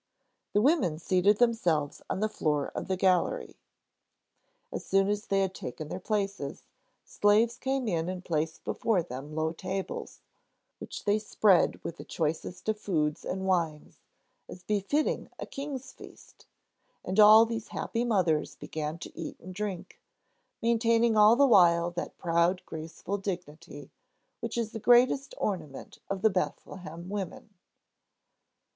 The women seated themselves on the floor of the gallery. As soon as they had taken their places, slaves came in and placed before them low tables, which they spread with the choicest of foods and wines—as befitting a King's feast—and all these happy mothers began to eat and drink, maintaining all the while that proud, graceful dignity, which is the greatest ornament of the Bethlehem women.